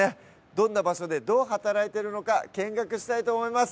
どんな場所でどう働いてるのか見学したいと思います